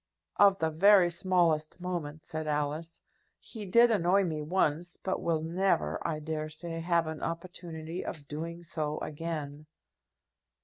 "Of the very smallest moment," said Alice. "He did annoy me once, but will never, I dare say, have an opportunity of doing so again."